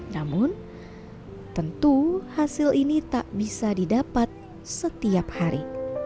namun tentu hasil ini tak bisa didapat setiap hari